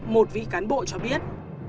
một vị cán bộ cho biết